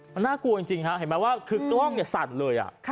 มันน่ากลัวจริงครับเห็นไหมว่าตรงนี้สั่นเลย